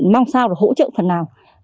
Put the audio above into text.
mong sao để hỗ trợ phần nào